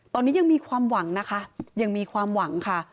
ตอนนี้ยังมีความหวังนะคะยังมีความหวังค่ะ